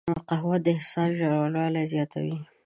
قهوه د احساس ژوروالی زیاتوي